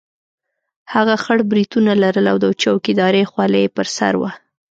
هغه خړ برېتونه لرل او د چوکیدارۍ خولۍ یې پر سر وه.